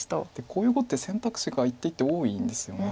こういう碁って選択肢が一手一手多いんですよね。